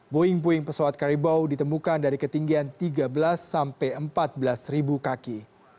boeing puing pesawat karibau ditemukan dari ketinggian tiga belas sampai empat belas kaki